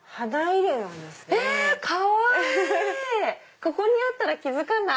ここにあったら気付かない。